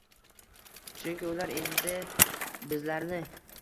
Chunki ular endi bizlarni